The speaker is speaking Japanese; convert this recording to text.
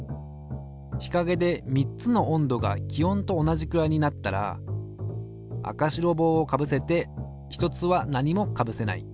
ひかげで３つの温度が気温と同じくらいになったら赤白帽をかぶせて１つは何もかぶせない。